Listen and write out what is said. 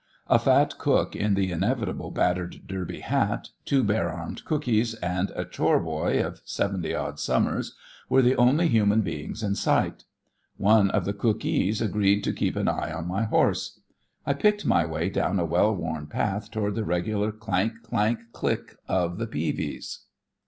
A fat cook in the inevitable battered derby hat, two bare armed cookees, and a chore "boy" of seventy odd summers were the only human beings in sight. One of the cookees agreed to keep an eye on my horse. I picked my way down a well worn trail toward the regular clank, clank, click of the peavies.